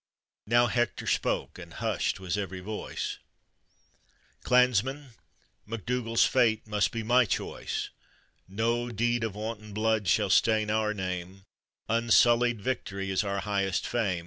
Now Hector spoke, and hushed was every voice — "Clansmen, MacUougall's fate must be my choice; No deed of wanton blood shall stain our name, Unsullied victory is our highest fame.